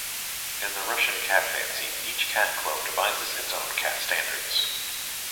In the Russian cat fancy, each cat club devises its own cat standards.